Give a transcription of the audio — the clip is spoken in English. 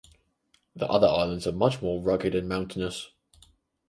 The other islands are much more rugged and mountainous.